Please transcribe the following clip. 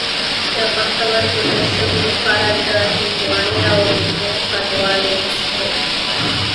د پښتورګو د شګو لپاره د هندواڼې او لیمو ګډول وڅښئ